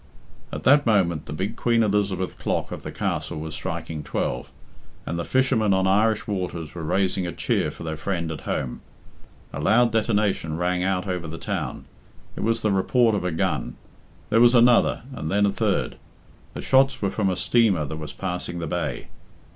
At that moment the big Queen Elizabeth clock of the Castle was striking twelve, and the fishermen on Irish waters were raising a cheer for their friend at home. A loud detonation rang out over the town. It was the report of a gun. There was another, and then a third. The shots were from a steamer that was passing the bay.